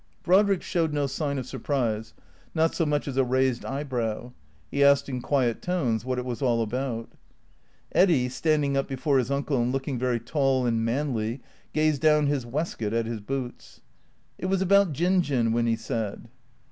Brodrick showed no sign of surprise, not so much as a raised eyebrow. He asked in quiet tones what it was all about ? Eddy, standing up before his uncle and looking very tall and manly, gazed down his waistcoat at his boots. " It was about Jin Jin," Winny said.